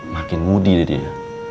makin mudih dia